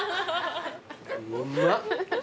うーまっ。